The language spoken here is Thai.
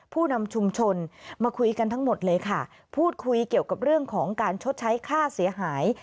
ผู้นำชุมชนมาคุยกันทั้งหมดเลยค่ะพูดคุยเกี่ยวกับเรื่องของการชดใช้ค่าเสียหาย